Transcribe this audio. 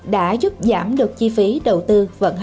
đã giúp giảm được chi phí đầu tư